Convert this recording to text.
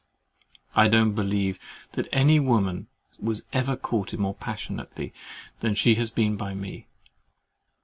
I don't believe that any woman was ever courted more passionately than she has been by me.